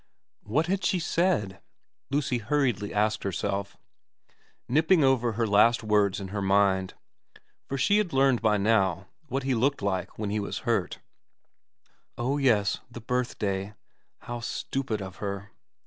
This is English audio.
What had she said, Lucy hurriedly asked herself, nipping over her last words in her mind, for she had learned by now what he looked like when he was hurt. Oh yes, the birthday. How stupid of her.